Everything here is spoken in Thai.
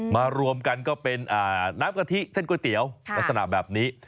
รวมกันก็เป็นน้ำกะทิเส้นก๋วยเตี๋ยวลักษณะแบบนี้